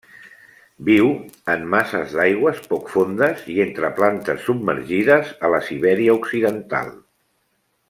Viu en masses d'aigües poc fondes i entre plantes submergides a la Sibèria Occidental.